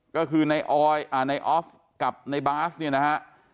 ก็คือในออยในออฟกับในบาสเนี่ยนะฮะ